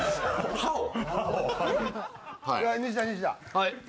はい